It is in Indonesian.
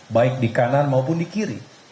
baik di kanan maupun di kiri